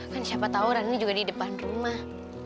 kan siapa tahu rani juga di depan rumah